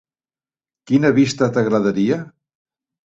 Quina vista t'agradaria?